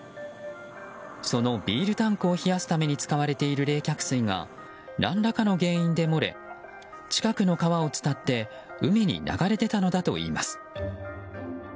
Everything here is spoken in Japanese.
そのビールタンクを冷やすために使われている冷却水が何らかの原因で漏れ近くの川を伝って海に流れ出たのだといいます。